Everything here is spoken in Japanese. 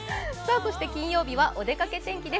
そして金曜日はお出かけ天気です